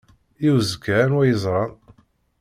I uzekka anwa i yeẓran?